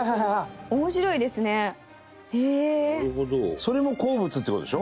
それも鉱物って事でしょ？